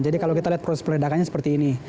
jadi kalau kita lihat proses peledakannya seperti ini